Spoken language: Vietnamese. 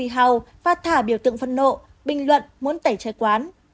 hào và thả biểu tượng phân nộ bình luận muốn tẩy chay quán